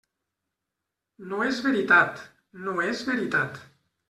No és veritat –no és veritat.